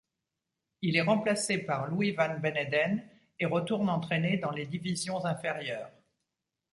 Il est remplacé par Louis Van Beneden et retourne entraîner dans les divisions inférieures.